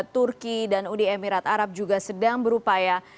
turki dan uni emirat arab juga sedang berupaya